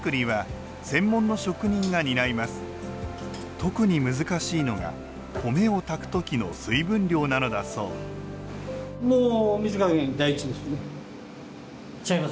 特に難しいのが米を炊く時の水分量なのだそう違います。